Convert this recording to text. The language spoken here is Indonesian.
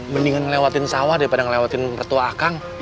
mendingan ngelewatin sawah daripada ngelewatin mertua akang